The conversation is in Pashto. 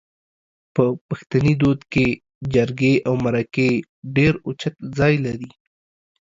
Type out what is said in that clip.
په پښتني دود کې جرګې او مرکې ډېر اوچت ځای لري